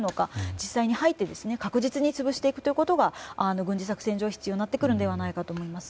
実際に入って確実に潰していくことが軍事作戦上必要になると思います。